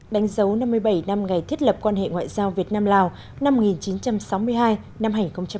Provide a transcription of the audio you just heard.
đánh dấu năm mươi bảy năm ngày thiết lập quan hệ ngoại giao việt nam lào năm một nghìn chín trăm sáu mươi hai năm hai nghìn một mươi chín